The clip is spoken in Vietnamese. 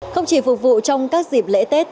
không chỉ phục vụ trong các dịp lễ tết